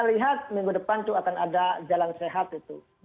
kita lihat minggu depan itu akan ada jalan sehat itu